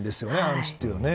アンチというね。